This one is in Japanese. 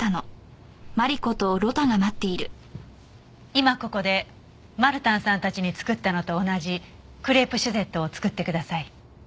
今ここでマルタンさんたちに作ったのと同じクレープシュゼットを作ってください。